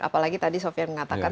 apalagi tadi sofyan mengatakan